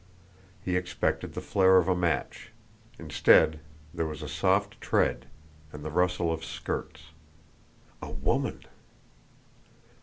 He expected the flare of a match; instead there was a soft tread, and the rustle of skirts. A woman!